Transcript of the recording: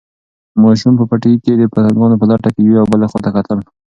ماشوم په پټي کې د پتنګانو په لټه کې یوې او بلې خواته کتل.